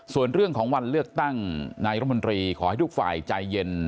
ส่วนเรื่องของวันเลือกตั้งนายรมนตรีขอให้ทุกฝ่ายใจเย็น